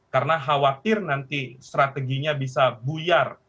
karena khawatir nanti strateginya bisa buyar